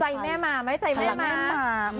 ใจแม่มาไหมใจแม่มา